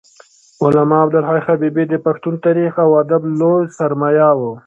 علامه عبدالحی حبیبي د پښتون تاریخ او ادب لوی سرمایه و